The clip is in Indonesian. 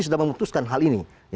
sudah memutuskan hal ini